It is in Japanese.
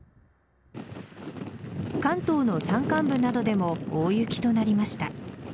関東の山間部などでも大雪となりました。